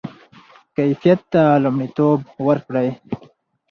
کیفیت ته لومړیتوب ورکړئ.